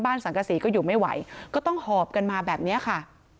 สังกษีก็อยู่ไม่ไหวก็ต้องหอบกันมาแบบนี้ค่ะ